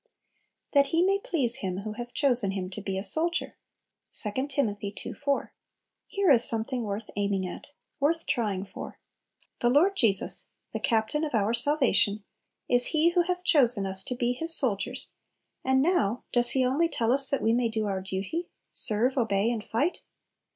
"That he may please him who hath chosen him to be a soldier." 2 Tim. ii. 4. Here is something worth aiming at, worth trying for! The Lord Jesus, the Captain of our salvation, is He who hath chosen us to be His soldiers and now, does He only tell us that we may do our duty, serve, obey, and fight?